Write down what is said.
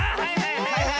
はいはい。